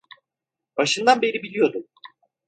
Başından beri biliyordum.